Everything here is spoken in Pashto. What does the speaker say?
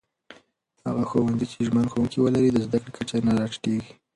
هغه ښوونځي چې ژمن ښوونکي ولري، د زده کړې کچه نه راټيټېږي.